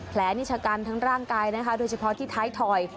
นิชกันทั้งร่างกายนะคะโดยเฉพาะที่ท้ายถอย